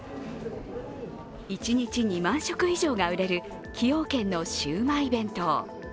一日２万食以上が売れる崎陽軒のシウマイ弁当。